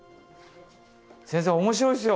先生面白いっすよ。